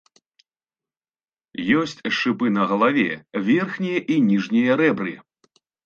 Ёсць шыпы на галаве, верхнія і ніжнія рэбры.